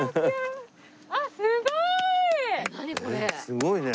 すごいね。